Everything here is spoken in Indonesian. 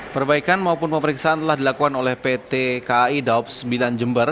perbaikan maupun pemeriksaan telah dilakukan oleh pt kai daob sembilan jember